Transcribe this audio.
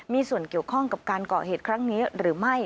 มีส่วนเกี่ยวข้องกับการเกาะเหตุครั้งนี้หรือไม่